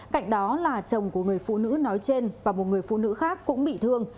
cạnh đó là chồng của người phụ nữ nói trên và một người phụ nữ khác cũng bị thương